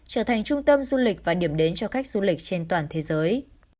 trở thành trung tâm du lịch và điểm đến cho khách du lịch trên toàn thế giới